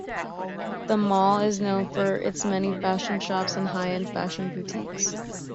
The mall is known for its many fashion shops and high-end fashion boutiques.